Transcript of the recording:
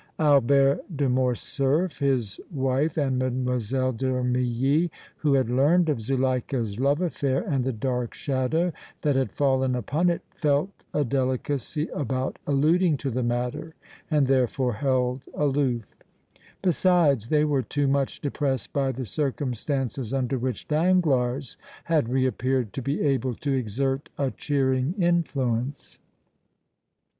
Albert de Morcerf, his wife and Mlle. d' Armilly, who had learned of Zuleika's love affair and the dark shadow that had fallen upon it, felt a delicacy about alluding to the matter and, therefore, held aloof; besides, they were too much depressed by the circumstances under which Danglars had reappeared to be able to exert a cheering influence.